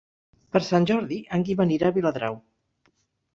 Per Sant Jordi en Guim anirà a Viladrau.